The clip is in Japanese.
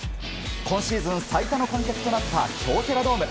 今シーズン、最多の観客となった京セラドーム。